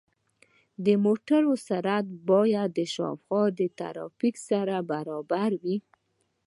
د موټرو سرعت باید د شاوخوا ترافیک سره برابر وي.